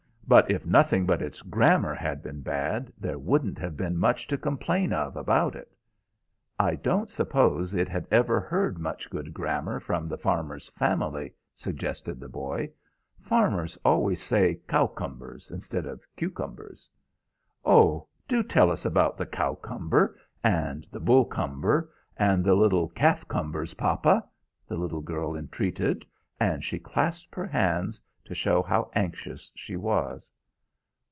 "But if nothing but it's grammar had been bad, there wouldn't have been much to complain of about it." "I don't suppose it had ever heard much good grammar from the farmer's family," suggested the boy. "Farmers always say cowcumbers instead of cucumbers." "Oh, do tell us about the Cowcumber, and the Bullcumber, and the little Calfcumbers, papa!" the little girl entreated, and she clasped her hands, to show how anxious she was.